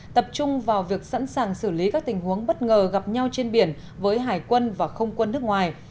tập trung vào việc sẵn sàng xử lý các tình huống bất ngờ gặp nhau trên biển với hải quân và không quân nước ngoài